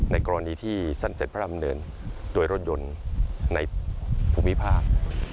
กรณีที่สั้นเสร็จพระดำเนินโดยรถยนต์ในภูมิภาค